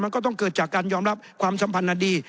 มันก็ต้องเกิดจากการยอมรับความสัมพันธ์อันดี